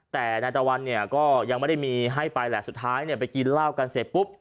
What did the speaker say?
แต่นายตะวันเนี่ยก็ยังไม่ได้มีให้ไปแหละสุดท้ายเนี่ยไปกินเหล้ากันเสร็จปุ๊บ